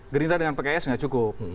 gerindra dengan pks tidak cukup